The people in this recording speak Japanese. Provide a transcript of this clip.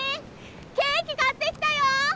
ケーキ買ってきたよ！